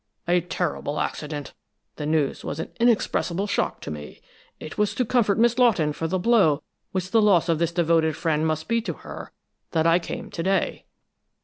"A terrible accident! The news was an inexpressible shock to me! It was to comfort Miss Lawton for the blow which the loss of this devoted friend must be to her that I came to day."